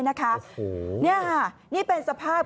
เนี้ยเป็นสภาพ